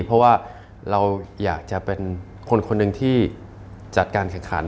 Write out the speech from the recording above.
เพราะว่าเราอยากจะเป็นคนคนหนึ่งที่จัดการแข่งขัน